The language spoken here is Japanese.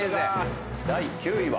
第９位は。